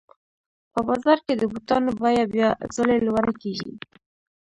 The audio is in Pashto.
په بازار کې د بوټانو بیه بیا ځلي لوړه کېږي